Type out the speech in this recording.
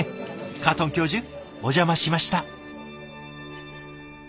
カートン教授お邪魔しました。